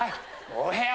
お部屋を。